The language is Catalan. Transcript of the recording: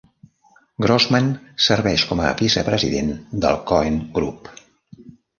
Grossman serveix com a vice-president del Cohen Group.